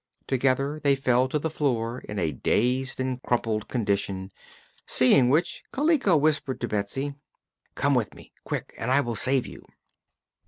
Together they fell to the floor in a dazed and crumpled condition, seeing which Kaliko whispered to Betsy: "Come with me quick! and I will save you."